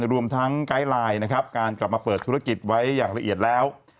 รวมทั้งไกด์ไลน์นะครับการกลับมาเปิดธุรกิจไว้อย่างละเอียดแล้ว